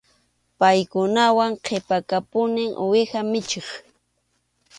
Paykunawan qhipakapuni uwiha michiq.